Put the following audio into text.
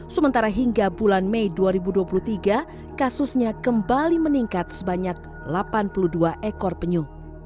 sementara hingga bulan mei dua ribu dua puluh tiga kasusnya kembali meningkat sebanyak delapan puluh dua ekor penyu